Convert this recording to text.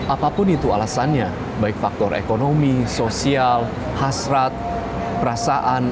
apapun itu alasannya baik faktor ekonomi sosial hasrat perasaan